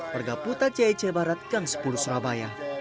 bergaputa cic barat gang sepuluh surabaya